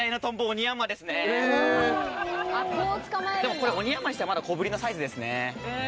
でもこれオニヤンマにしてはまだ小ぶりなサイズですね。